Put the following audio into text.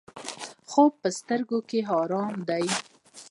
خوب د سترګو آراموي